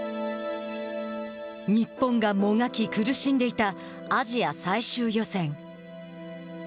日本がもがき苦しんでいたアジア最終予選。